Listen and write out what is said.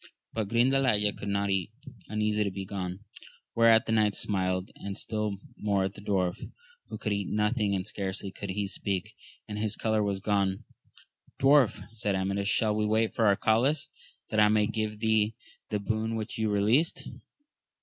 But Grindalaya could not eat, uneasy to be gone ; whereat the knights smiled, and still more at the dwarf, who could eat nothing and scarcely could he speak, and his colour was gone. Dwarf, said Amadis, shall we wait for Arcalaus, that I may give thee the boon which you released